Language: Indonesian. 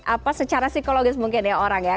apa secara psikologis mungkin ya orang ya